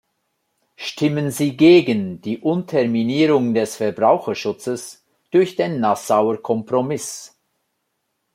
Stimmen Sie gegen die Unterminierung des Verbraucherschutzes durch den Nassauer-Kompromiss.